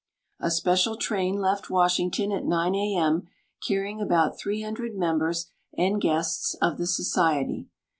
A special train left M'^ashington at D.OO a. m., carrying about 300 members and guests of the Society.